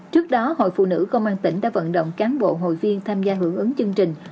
trước đó hội phụ nữ công an tỉnh đã vận động cán bộ hội viên tham gia hưởng ứng chương trình